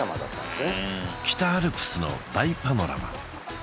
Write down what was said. すご北アルプスの大パノラマ